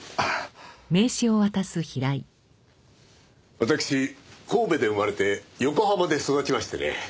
わたくし神戸で生まれて横浜で育ちましてね。